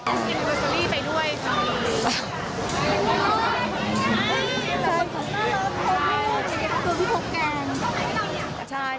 อันดับเด็กไปด้วย